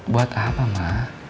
buat apa ma